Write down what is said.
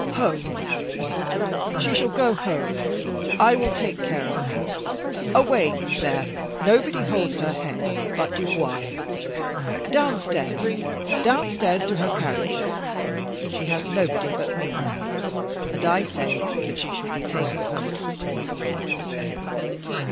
"Home," he cried; "she shall go home, and I will take care of her. Away! you there nobody holds her head but Dubois. Downstairs! downstairs to her carriage! She has nobody but me now, and I say that she shall be taken home."